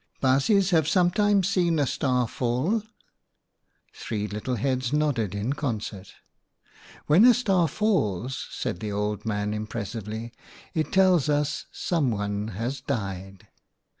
" Baasjes have sometimes seen a star fall ?" Three little heads nodded in concert. " When a star falls," said the old man im pressively, "it tells us someone has died.